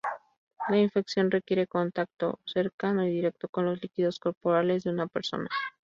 La infección requiere contacto cercano y directo con los líquidos corporales de una persona.